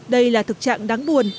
đây là thực trạng đáng buồn